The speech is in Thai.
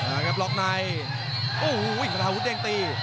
อ่าครับล็อกในโอ้โหฆาตาวุฒิยังตี